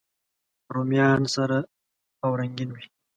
رومیان سره او رنګین وي